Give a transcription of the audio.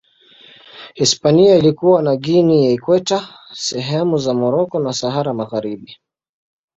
Hispania ilikuwa na Guinea ya Ikweta, sehemu za Moroko na Sahara Magharibi.